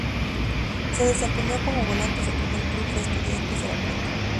Se desempeñó como volante su primer club fue Estudiantes de La Plata.